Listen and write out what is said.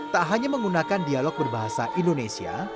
tak hanya menggunakan dialog berbahasa indonesia